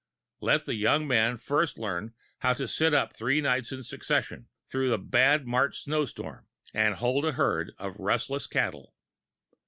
Let the young man first learn how to sit up three nights in succession, through a bad March snow storm and "hold" a herd of restless cattle.